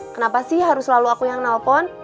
kenapa sih harus selalu aku yang nelpon